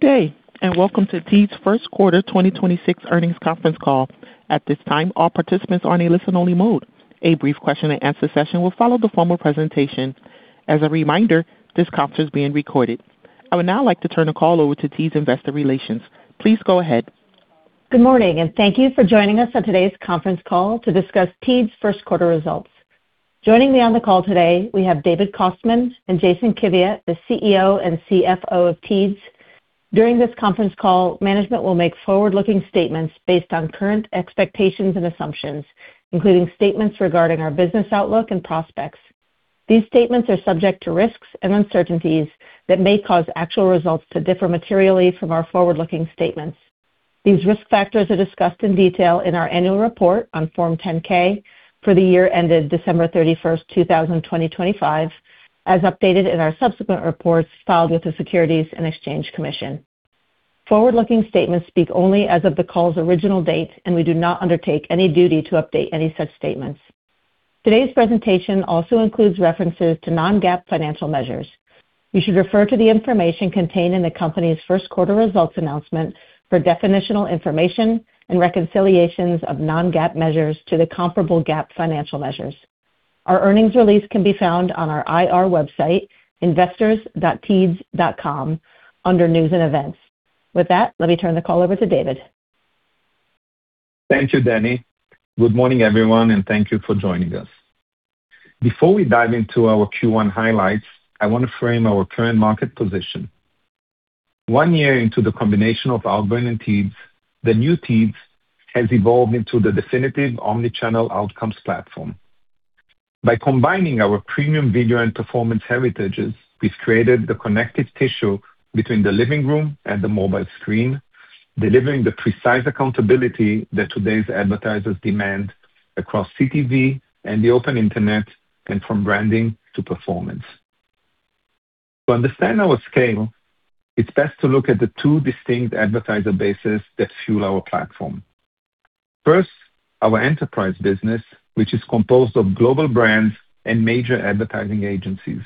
Good day. Welcome to Teads' first quarter 2026 earnings conference call. At this time, all participants are in a listen-only mode. A brief question-and-answer session will follow the formal presentation. As a reminder, this conference is being recorded. I would now like to turn the call over to Teads Investor Relations. Please go ahead. Good morning, and thank you for joining us on today's conference call to discuss Teads' first quarter results. Joining me on the call today, we have David Kostman and Jason Kiviat, the CEO and CFO of Teads. During this conference call, management will make forward-looking statements based on current expectations and assumptions, including statements regarding our business outlook and prospects. These statements are subject to risks and uncertainties that may cause actual results to differ materially from our forward-looking statements. These risk factors are discussed in detail in our annual report on Form 10-K for the year ended December 31, 2025, as updated in our subsequent reports filed with the Securities and Exchange Commission. Forward-looking statements speak only as of the call's original date, and we do not undertake any duty to update any such statements. Today's presentation also includes references to non-GAAP financial measures. You should refer to the information contained in the company's first quarter results announcement for definitional information and reconciliations of non-GAAP measures to the comparable GAAP financial measures. Our earnings release can be found on our IR website, investors.teads.com under News and Events. With that, let me turn the call over to David. Thank you, Dani. Good morning, everyone, and thank you for joining us. Before we dive into our Q1 highlights, I want to frame our current market position. One year into the combination of Outbrain and Teads, the new Teads has evolved into the definitive omni-channel outcomes platform. By combining our premium video and performance heritages, we've created the connective tissue between the living room and the mobile screen, delivering the precise accountability that today's advertisers demand across CTV and the open internet and from branding to performance. To understand our scale, it's best to look at the two distinct advertiser bases that fuel our platform. First, our enterprise business, which is composed of global brands and major advertising agencies.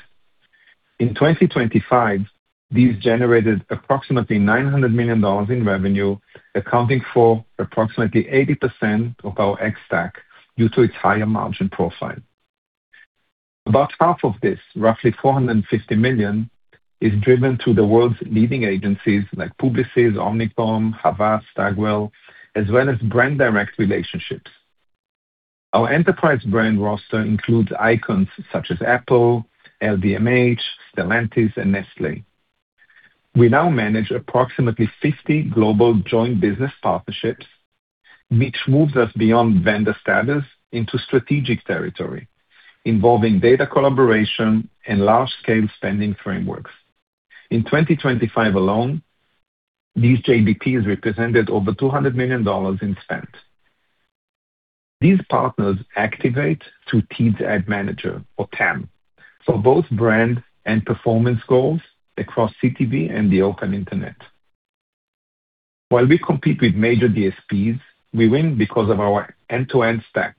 In 2025, these generated approximately $900 million in revenue, accounting for approximately 80% of our Ex-TAC due to its higher margin profile. About half of this, roughly $450 million, is driven through the world's leading agencies like Publicis, Omnicom, Havas, Stagwell, as well as brand direct relationships. Our enterprise brand roster includes icons such as Apple, LVMH, Stellantis, and Nestlé. We now manage approximately 50 global joint business partnerships, which moves us beyond vendor status into strategic territory involving data collaboration and large-scale spending frameworks. In 2025 alone, these JBPs represented over $200 million in spend. These partners activate through Teads Ad Manager or TAM for both brand and performance goals across CTV and the open internet. While we compete with major DSPs, we win because of our end-to-end stack.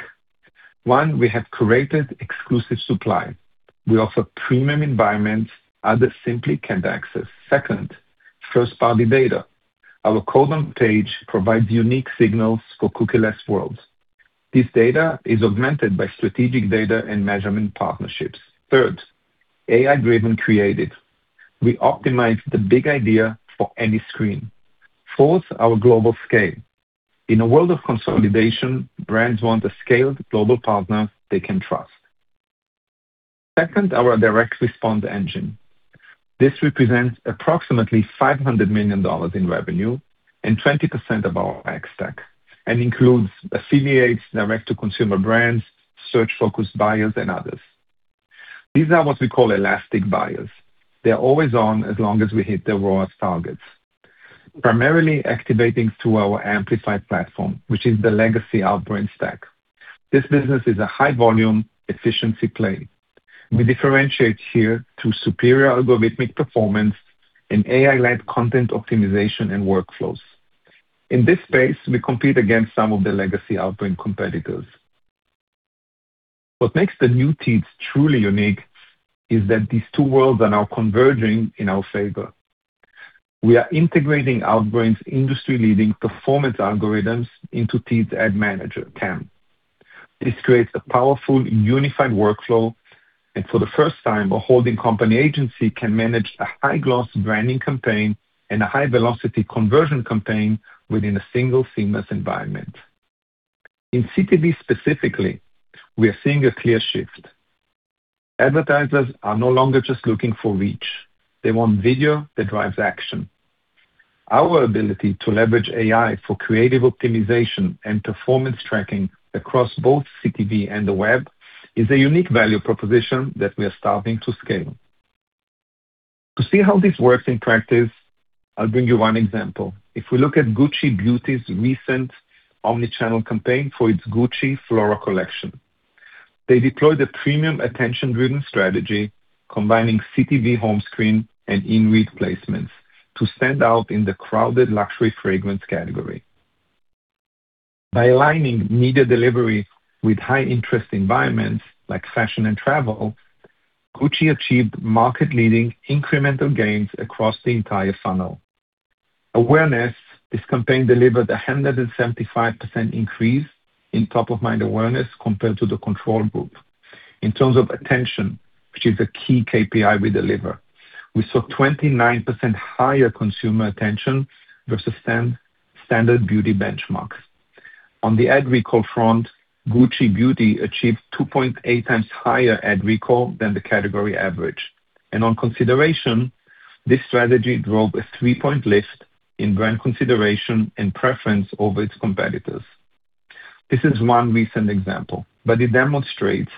One, we have curated exclusive supply. We offer premium environments others simply can't access. Second, first-party data. Our code on page provides unique signals for cookieless worlds. This data is augmented by strategic data and measurement partnerships. Third, AI-driven creative. We optimize the big idea for any screen. Fourth, our global scale. In a world of consolidation, brands want a scaled global partner they can trust. Second, our direct response engine. This represents approximately $500 million in revenue and 20% of our Ex-TAC and includes affiliates, direct-to-consumer brands, search-focused buyers, and others. These are what we call elastic buyers. They are always on as long as we hit the ROAS targets. Primarily activating through our Amplify platform, which is the legacy Outbrain stack. This business is a high-volume efficiency play. We differentiate here through superior algorithmic performance and AI-led content optimization and workflows. In this space, we compete against some of the legacy Outbrain competitors. What makes the new Teads truly unique is that these two worlds are now converging in our favor. We are integrating Outbrain's industry-leading performance algorithms into Teads Ad Manager, TAM. This creates a powerful, unified workflow. For the first time, a holding company agency can manage a high-gloss branding campaign and a high-velocity conversion campaign within a single seamless environment. In CTV specifically, we are seeing a clear shift. Advertisers are no longer just looking for reach. They want video that drives action. Our ability to leverage AI for creative optimization and performance tracking across both CTV and the web is a unique value proposition that we are starting to scale. To see how this works in practice, I'll bring you one example. If we look at Gucci Beauty's recent omni-channel campaign for its Gucci Flora collection. They deployed a premium attention-driven strategy combining CTV home screen and inRead placements to stand out in the crowded luxury fragrance category. By aligning media delivery with high interest environments like fashion and travel, Gucci achieved market-leading incremental gains across the entire funnel. Awareness. This campaign delivered a 175% increase in top-of-mind awareness compared to the control group. In terms of attention, which is a key KPI we deliver, we saw 29% higher consumer attention versus standard beauty benchmarks. On the ad recall front, Gucci Beauty achieved 2.8x higher ad recall than the category average. On consideration, this strategy drove a three-point lift in brand consideration and preference over its competitors. This is one recent example, but it demonstrates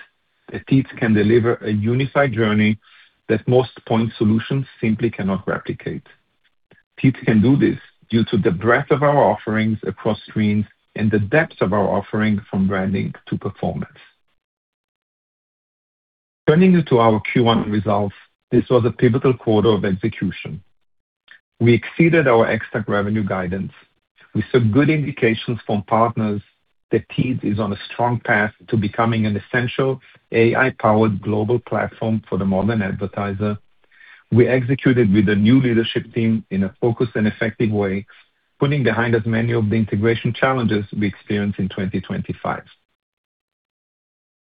that Teads can deliver a unified journey that most point solutions simply cannot replicate. Teads can do this due to the breadth of our offerings across screens and the depth of our offering from branding to performance. Turning you to our Q1 results, this was a pivotal quarter of execution. We exceeded our Ex-TAC revenue guidance. We saw good indications from partners that Teads is on a strong path to becoming an essential AI-powered global platform for the modern advertiser. We executed with a new leadership team in a focused and effective way, putting behind us many of the integration challenges we experienced in 2025.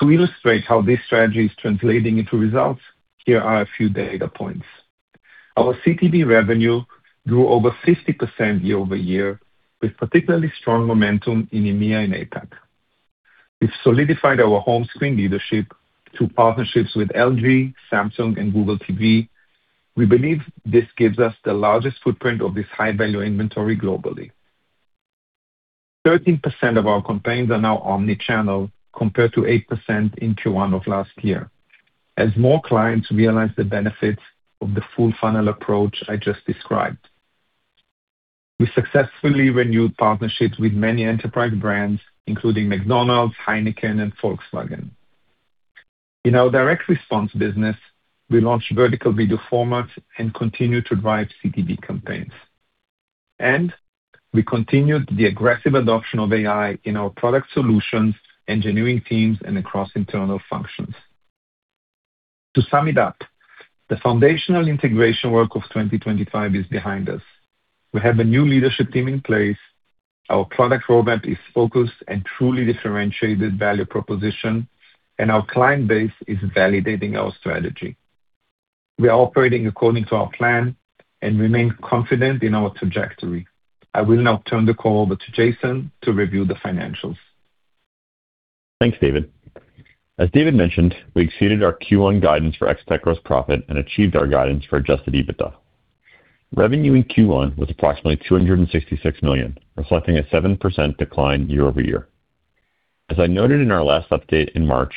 To illustrate how this strategy is translating into results, here are a few data points. Our CTV revenue grew over 50% year-over-year, with particularly strong momentum in EMEA and APAC. We've solidified our home screen leadership through partnerships with LG, Samsung, and Google TV. We believe this gives us the largest footprint of this high-value inventory globally. 13% of our campaigns are now omni-channel, compared to 8% in Q1 of last year, as more clients realize the benefits of the full funnel approach I just described. We successfully renewed partnerships with many enterprise brands, including McDonald's, Heineken, and Volkswagen. In our direct response business, we launched vertical video formats and continued to drive CTV campaigns. We continued the aggressive adoption of AI in our product solutions, engineering teams, and across internal functions. To sum it up, the foundational integration work of 2025 is behind us. We have a new leadership team in place. Our product roadmap is focused and truly differentiated value proposition, and our client base is validating our strategy. We are operating according to our plan and remain confident in our trajectory. I will now turn the call over to Jason to review the financials. Thanks, David. As David mentioned, we exceeded our Q1 guidance for Ex-TAC gross profit and achieved our guidance for Adjusted EBITDA. Revenue in Q1 was approximately $266 million, reflecting a 7% decline year-over-year. As I noted in our last update in March,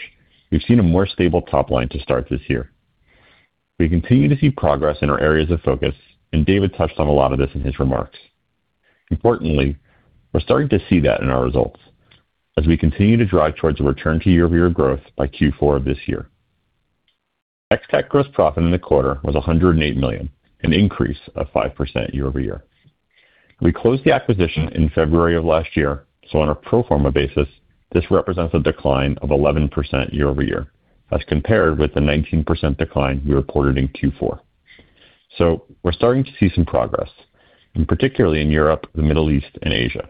we've seen a more stable top line to start this year. We continue to see progress in our areas of focus, and David touched on a lot of this in his remarks. Importantly, we're starting to see that in our results as we continue to drive towards a return to year-over-year growth by Q4 of this year. Ex-TAC gross profit in the quarter was $108 million, an increase of 5% year-over-year. We closed the acquisition in February of last year, on a pro forma basis, this represents a decline of 11% year-over-year, as compared with the 19% decline we reported in Q4. We're starting to see some progress, and particularly in Europe, the Middle East, and Asia.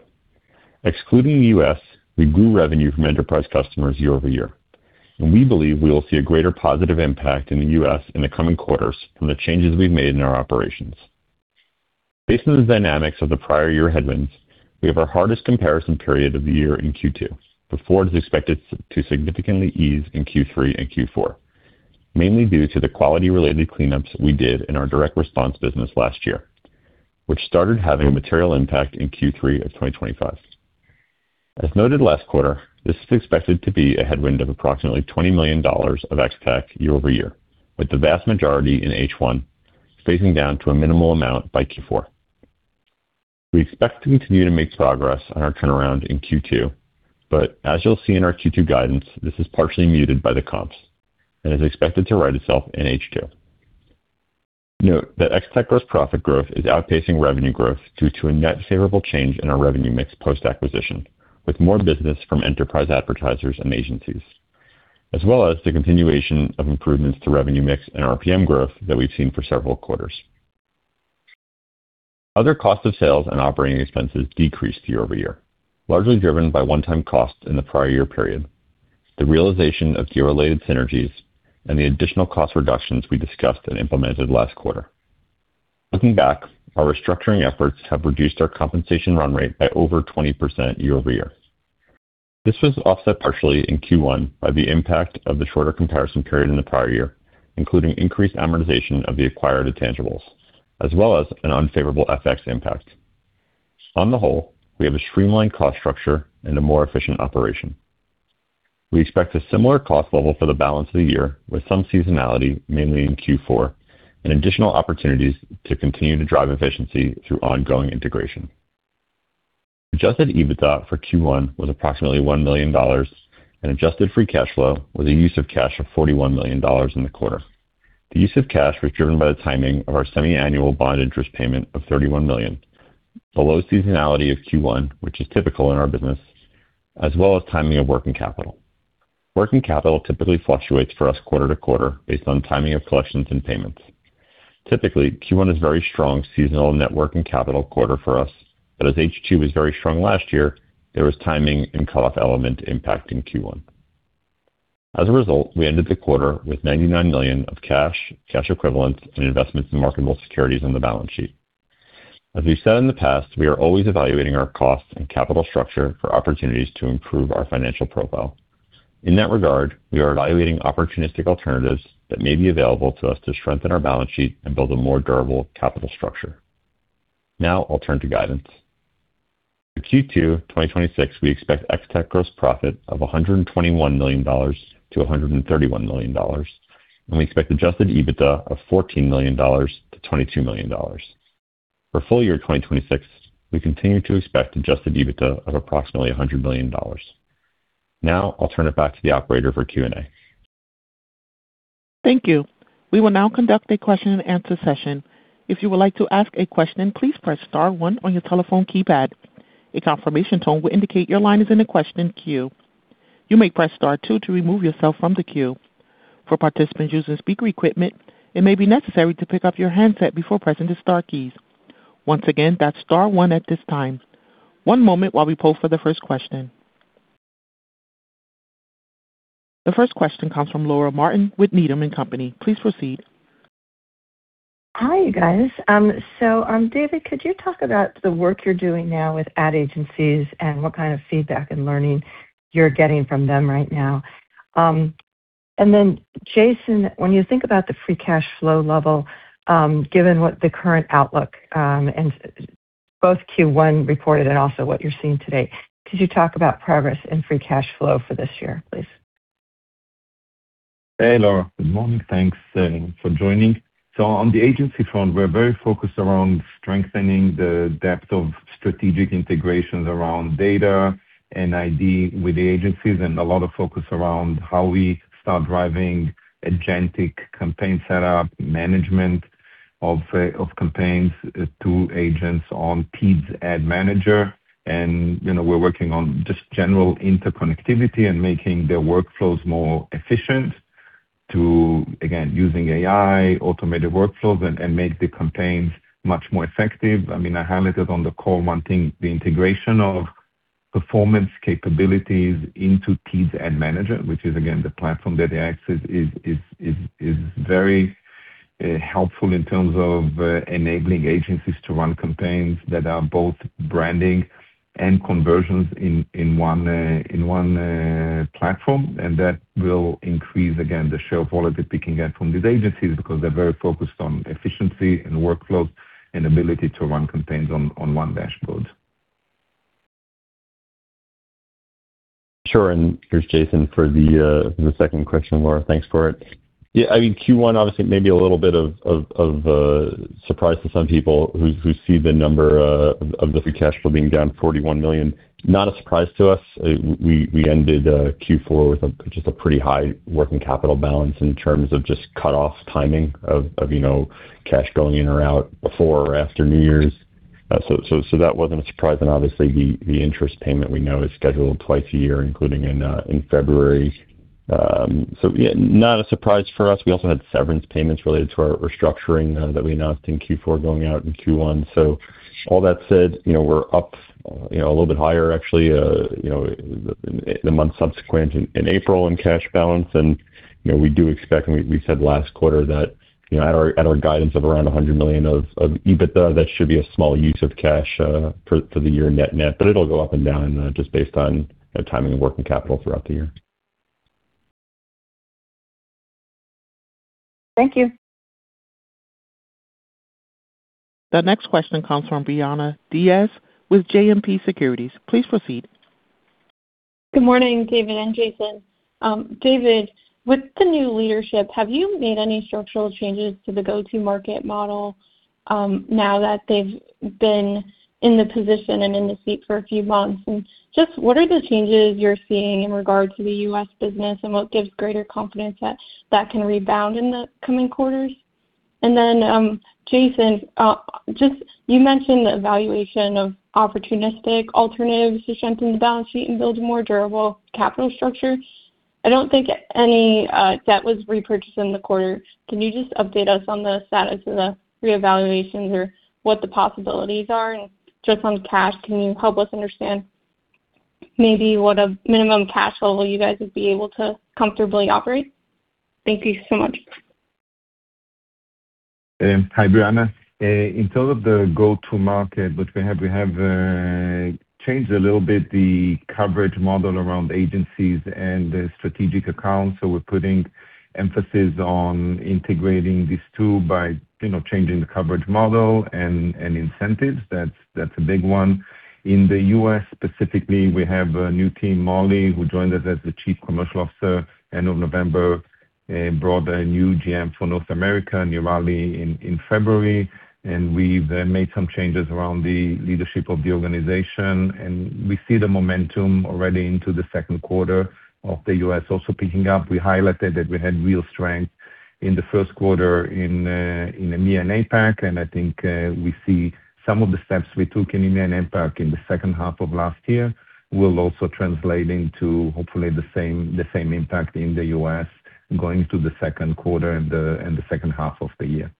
Excluding the U.S., we grew revenue from enterprise customers year-over-year, and we believe we will see a greater positive impact in the U.S. in the coming quarters from the changes we've made in our operations. Based on the dynamics of the prior year headwinds, we have our hardest comparison period of the year in Q2, but forward is expected to significantly ease in Q3 and Q4, mainly due to the quality-related cleanups we did in our direct response business last year, which started having a material impact in Q3 of 2025. As noted last quarter, this is expected to be a headwind of approximately $20 million Ex-TAC year-over-year, with the vast majority in H1, phasing down to a minimal amount by Q4. We expect to continue to make progress on our turnaround in Q2, but as you'll see in our Q2 guidance, this is partially muted by the comps and is expected to right itself in H2. Note that Ex-TAC gross profit growth is outpacing revenue growth due to a net favorable change in our revenue mix post-acquisition, with more business from enterprise advertisers and agencies, as well as the continuation of improvements to revenue mix and RPM growth that we've seen for several quarters. Other cost of sales and operating expenses decreased year-over-year, largely driven by one-time costs in the prior year period, the realization of gear-related synergies, and the additional cost reductions we discussed and implemented last quarter. Looking back, our restructuring efforts have reduced our compensation run rate by over 20% year-over-year. This was offset partially in Q1 by the impact of the shorter comparison period in the prior year, including increased amortization of the acquired intangibles, as well as an unfavorable FX impact. On the whole, we have a streamlined cost structure and a more efficient operation. We expect a similar cost level for the balance of the year, with some seasonality mainly in Q4 and additional opportunities to continue to drive efficiency through ongoing integration. Adjusted EBITDA for Q1 was approximately $1 million and adjusted free cash flow with a use of cash of $41 million in the quarter. The use of cash was driven by the timing of our semi-annual bond interest payment of $31 million. The low seasonality of Q1, which is typical in our business, as well as timing of working capital. Working capital typically fluctuates for us quarter to quarter based on timing of collections and payments. Typically, Q1 is very strong seasonal net working capital quarter for us, but as H2 was very strong last year, there was timing and cut-off element impact in Q1. As a result, we ended the quarter with $99 million of cash equivalents, and investments in marketable securities on the balance sheet. As we've said in the past, we are always evaluating our costs and capital structure for opportunities to improve our financial profile. In that regard, we are evaluating opportunistic alternatives that may be available to us to strengthen our balance sheet and build a more durable capital structure. I'll turn to guidance. For Q2 2026, we expect Ex-TAC gross profit of $121 million-$131 million, and we expect Adjusted EBITDA of $14 million-$22 million. For full year 2026, we continue to expect Adjusted EBITDA of approximately $100 million. I'll turn it back to the operator for Q&A. Thank you. We will now conduct a question and answer session. If you would like to ask a question, please press star one on your telephone keypad. A confirmation tone will indicate your line is in the question queue. You may press star two to remove yourself from the queue. For participants using speaker equipment, it may be necessary to pick up your handset before pressing the star keys. Once again, that's star one at this time. One moment while we pose for the first question. The first question comes from Laura Martin with Needham & Company. Please proceed. Hi, guys. David, could you talk about the work you're doing now with ad agencies and what kind of feedback and learning you're getting from them right now? Jason, when you think about the free cash flow level, given what the current outlook, and both Q1 reported and also what you're seeing today, could you talk about progress in free cash flow for this year, please? Hey, Laura. Good morning. Thanks for joining. On the agency front, we're very focused around strengthening the depth of strategic integrations around data and ID with the agencies, and a lot of focus around how we start driving agentic campaign setup, management of campaigns to agents on Teads Ad Manager. You know, we're working on just general interconnectivity and making their workflows more efficient to, again, using AI, automated workflows and make the campaigns much more effective. I mean, I highlighted on the call one thing, the integration of performance capabilities into Teads Ad Manager, which is, again, the platform that they access is very helpful in terms of enabling agencies to run campaigns that are both branding and conversions in one platform. That will increase, again, the share of wallet that we can get from these agencies because they're very focused on efficiency and workflows and ability to run campaigns on one dashboard. Sure. Here's Jason for the second question, Laura. Thanks for it. Yeah. I mean, Q1 obviously may be a little bit of a surprise to some people who see the number of the free cash flow being down 41 million. Not a surprise to us. We ended Q4 with just a pretty high working capital balance in terms of cutoff timing of, you know, cash going in or out before or after New Year's. That wasn't a surprise. Obviously the interest payment we know is scheduled twice a year, including in February. Yeah, not a surprise for us. We also had severance payments related to our restructuring that we announced in Q4 going out in Q1. All that said, we're up a little bit higher actually, the month subsequent in April in cash balance. We do expect, and we said last quarter that at our guidance of around 100 million of EBITDA, that should be a small use of cash for the year net-net, but it'll go up and down just based on the timing of working capital throughout the year. Thank you. The next question comes from Brianna Diaz with JMP Securities. Please proceed. Good morning, David and Jason. David, with the new leadership, have you made any structural changes to the go-to-market model, now that they've been in the position and in the seat for a few months? Just what are the changes you're seeing in regard to the U.S. business and what gives greater confidence that that can rebound in the coming quarters? Then, Jason, just you mentioned the evaluation of opportunistic alternatives to strengthen the balance sheet and build a more durable capital structure. I don't think any, debt was repurchased in the quarter. Can you just update us on the status of the reevaluations or what the possibilities are? Just on cash, can you help us understand maybe what a minimum cash flow will you guys be able to comfortably operate? Thank you so much. Hi, Brianna. In terms of the go-to-market, which we have changed a little bit the coverage model around agencies and the strategic accounts. We're putting emphasis on integrating these two by, you know, changing the coverage model and incentives. That's a big one. In the U.S. specifically, we have a new team, Molly, who joined us as the Chief Commercial Officer end of November, brought a new GM for North America, Nirali, in February, and we've made some changes around the leadership of the organization, and we see the momentum already into the second quarter of the U.S. also picking up. We highlighted that we had real strength in the first quarter in EMEA and APAC, and I think we see some of the steps we took in EMEA and APAC in the second half of last year will also translate into hopefully the same impact in the U.S. going to the second quarter and the second half of the year.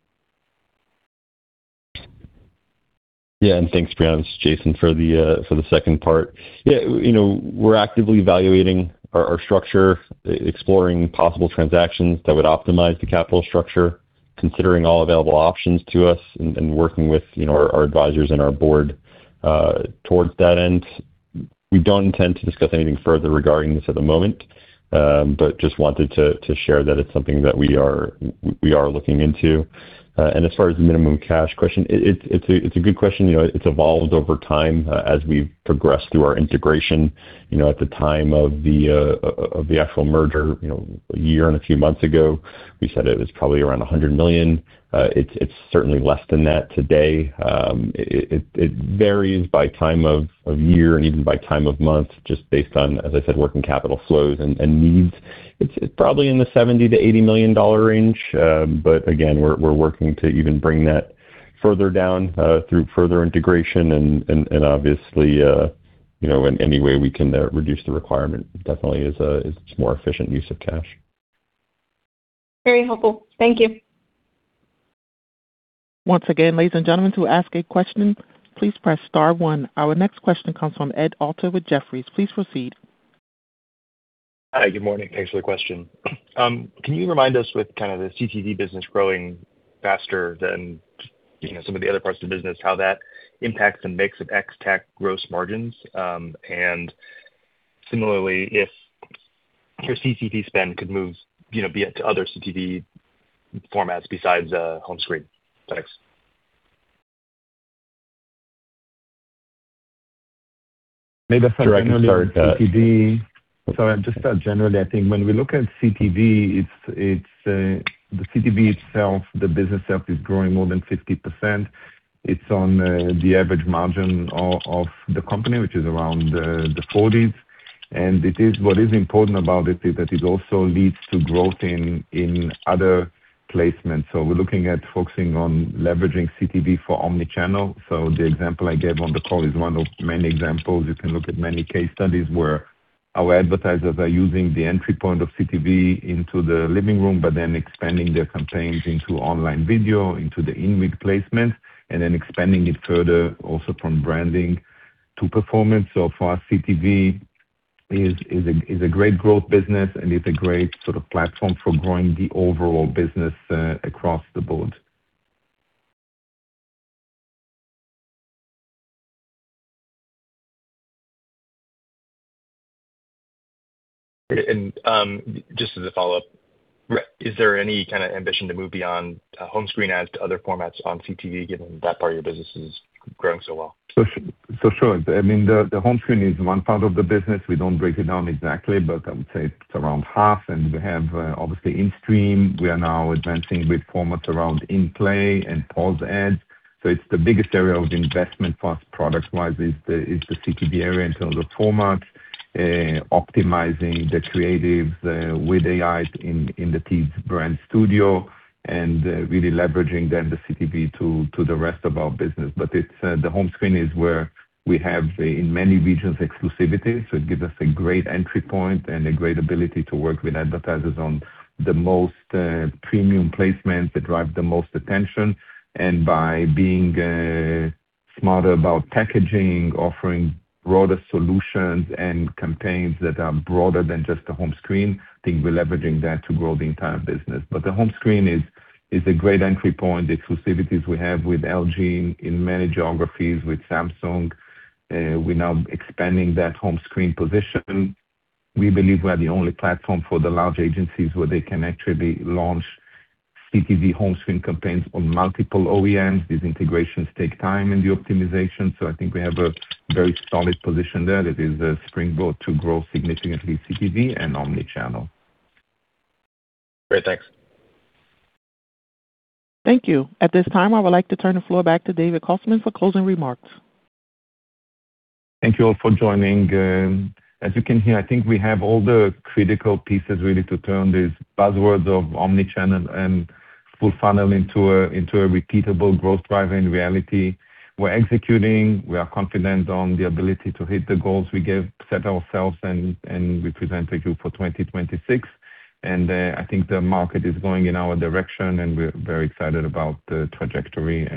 Yeah. Thanks, Brianna. This is Jason. For the second part. Yeah, you know, we're actively evaluating our structure, exploring possible transactions that would optimize the capital structure, considering all available options to us and working with, you know, our advisors and our board towards that end. We don't intend to discuss anything further regarding this at the moment, but just wanted to share that it's something that we are looking into. As far as the minimum cash question, it's a good question. You know, it's evolved over time as we've progressed through our integration. You know, at the time of the actual merger, you know, a year and a few months ago, we said it was probably around 100 million. It's certainly less than that today. It varies by time of year and even by time of month, just based on, as I said, working capital flows and needs. It's probably in the $70 million-$80 million range. Again, we're working to even bring that further down through further integration and obviously, you know, any way we can reduce the requirement definitely is a more efficient use of cash. Very helpful. Thank you. Once again, ladies and gentlemen, to ask a question, please press star one. Our next question comes from Ed Alter with Jefferies. Please proceed. Hi. Good morning. Thanks for the question. Can you remind us with kind of the CTV business growing faster than, you know, some of the other parts of the business, how that impacts the mix of Ex-TAC gross margins? Similarly, if your CTV spend could move, you know, be it to other CTV formats besides, home screen? Thanks. Maybe I'll start generally with CTV. Sorry, just start generally. I think when we look at CTV, it's the CTV itself, the business itself is growing more than 50%. It's on the average margin of the company, which is around the 40%s. What is important about it is that it also leads to growth in other placements. We're looking at focusing on leveraging CTV for omni-channel. The example I gave on the call is one of many examples. You can look at many case studies where our advertisers are using the entry point of CTV into the living room, but then expanding their campaigns into online video, into the in-read placement, and then expanding it further also from branding to performance. For us, CTV is a great growth business and is a great sort of platform for growing the overall business, across the board. Just as a follow-up, is there any kinda ambition to move beyond home screen ads to other formats on CTV given that part of your business is growing so well? For sure. I mean, the home screen is one part of the business. We don't break it down exactly, but I would say it's around half. We have, obviously in stream. We are now advancing with formats around in play and pause ads. It's the biggest area of investment for us product-wise is the CTV area in terms of format, optimizing the creatives with AI in Teads Studio and really leveraging then the CTV to the rest of our business. It's the home screen is where we have, in many regions, exclusivity. It gives us a great entry point and a great ability to work with advertisers on the most premium placements that drive the most attention. By being smarter about packaging, offering broader solutions and campaigns that are broader than just the home screen, I think we're leveraging that to grow the entire business. The home screen is a great entry point. The exclusivities we have with LG in many geographies, with Samsung, we're now expanding that home screen position. We believe we are the only platform for the large agencies where they can actually launch CTV home screen campaigns on multiple OEMs. These integrations take time in the optimization, so I think we have a very solid position there that is a springboard to grow significantly CTV and omni-channel. Great. Thanks. Thank you. At this time, I would like to turn the floor back to David Kostman for closing remarks. Thank you all for joining. As you can hear, I think we have all the critical pieces really to turn these buzzwords of omnichannel and full-funnel into a repeatable growth driver in reality. We're executing. We are confident on the ability to hit the goals we set ourselves and we present to you for 2026. I think the market is going in our direction, we're very excited about the trajectory.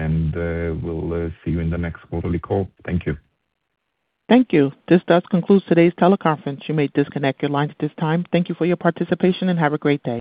We'll see you in the next quarterly call. Thank you. Thank you. This does conclude today's teleconference. You may disconnect your lines at this time. Thank you for your participation, and have a great day.